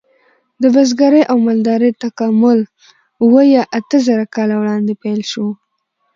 د بزګرۍ او مالدارۍ تکامل اوه یا اته زره کاله وړاندې پیل شو.